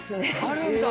あるんだ